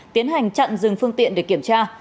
tiến hành chặn dừng phương tiện để kiểm tra